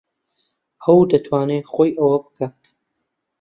ئەو دەتوانێت خۆی ئەوە بکات.